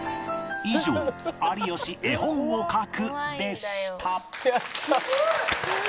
以上有吉絵本を描くでした